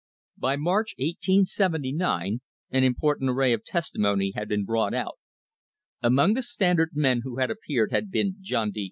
By March, 1879, an important array of testimony had been brought out. Among the Standard men who had appeared had been John D.